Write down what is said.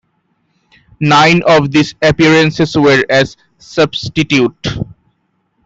Nine of these appearances were as substitute.